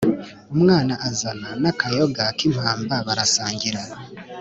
Umwana Azana n' akayoga k' impamba barasangira